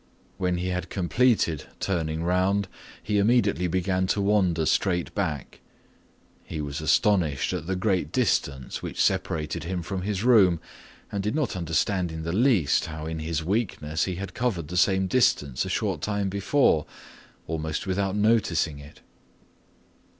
When he had completed turning around, he immediately began to wander straight back. He was astonished at the great distance which separated him from his room and did not understand in the least how in his weakness he had covered the same distance a short time before, almost without noticing it.